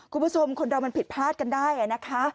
คุณผู้ชมคนเรามันผิดพลาดกันได้นะคะ